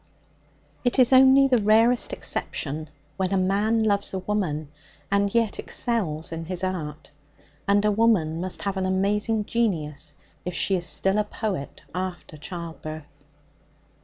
It is only the rarest exception when a man loves a woman and yet excels in his art, and a woman must have an amazing genius if she is still a poet after childbirth.